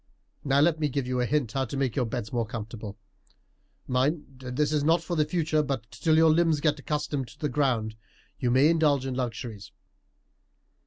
Now, let me give you a hint how to make your beds comfortable. Mind, this is not for the future, but till your limbs get accustomed to the ground you may indulge in luxuries.